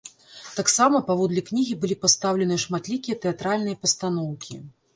Таксама паводле кнігі былі пастаўленыя шматлікія тэатральныя пастаноўкі.